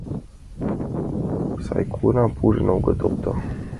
— Сай коҥгам пужен огыт опто.